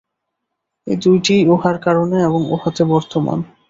এই দুইটিই উহার কারণ এবং উহাতে বর্তমান।